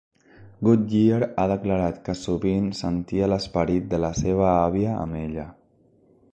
Goodyear ha declarat que sovint sentia l'esperit de la seva àvia amb ella.